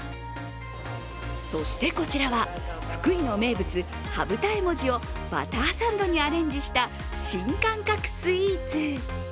そしてこちらは、福井の名物、羽二重餅をバターサンドにアレンジした新感覚スイーツ。